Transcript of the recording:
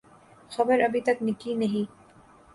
خبر ابھی تک نکلی نہیں۔